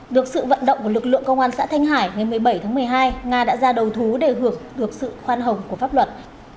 được sự vận động của lực lượng công an xã thanh hải ngày một mươi bảy tháng một mươi hai nga đã ra đầu thú để hưởng được sự khoan hồng của pháp luật